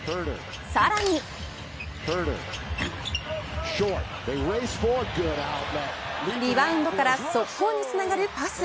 さらにリバウンドから速攻につながるパス。